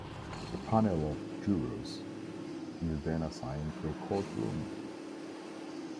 A panel of jurors is then assigned to a courtroom.